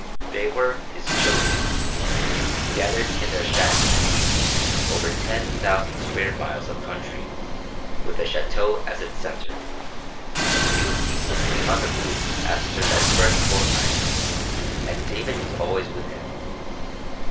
They were his "children," scattered in their shacks and tepees over ten thousand square miles of country, with the Château as its centre. He was ceaselessly on the move after that first fortnight, and David was always with him.